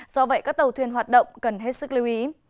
do vậy các tàu thuyền hoạt động cần hết sức lưu ý